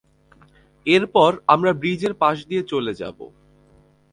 এরপর আমরা ব্রীজের পাশ দিয়ে চলে যাবো।